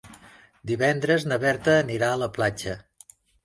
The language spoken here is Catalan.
Divendres na Berta anirà a la platja.